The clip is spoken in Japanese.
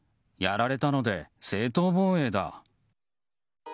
やられたので正当防衛だ。